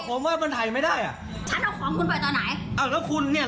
คุณหนุ่มไปคุณหนุ่มตามกฎบายแล้วกันนะ